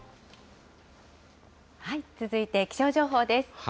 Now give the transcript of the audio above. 続いて気象情報です。